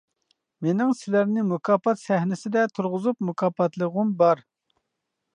مېنىڭ سىلەرنى مۇكاپات سەھنىسىدە تۇرغۇزۇپ مۇكاپاتلىغۇم بار.